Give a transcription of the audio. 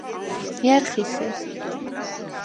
ჲა̈რ ხი სი?